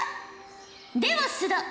では須田。